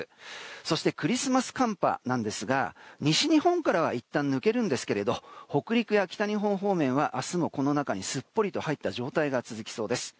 そしてクリスマス寒波ですが西日本からはいったん抜けますが北陸や北日本方面は明日もこの中にすっぽりと入った状態が続きそうです。